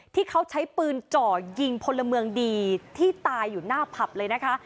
ที่เขาใช้ปืนจ่อยิงพลเมืองดีที่ตายอยู่หน้าผับเลยนะคะ